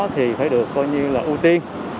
thì phải được coi như là ưu tiên